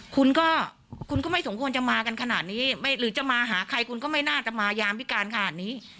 คุณก็คุณก็ไม่สมควรจะมากันขนาดนี้หรือจะมาหาใครคุณก็ไม่น่าจะมายามพิการขนาดนี้